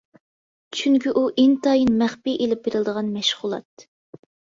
چۈنكى ئۇ ئىنتايىن مەخپىي ئېلىپ بېرىلىدىغان مەشغۇلات.